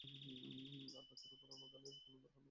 আর বাচ্চার উপর উনাদের কোনো অধিকার নেই।